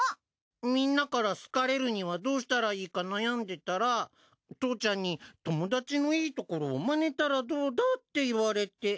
みんなから好かれるにはどうしたらいいか悩んでたら父ちゃんに友達のいいところをマネたらどうだって言われて。